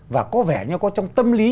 và có vẻ như có trong tâm lý